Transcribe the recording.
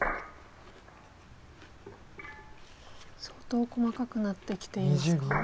相当細かくなってきていますか？